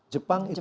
jepang itu negatif